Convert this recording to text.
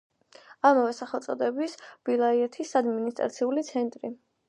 ამავე სახელწოდების ვილაიეთის ადმინისტრაციული ცენტრი.